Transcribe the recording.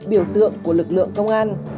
biểu tượng của lực lượng công an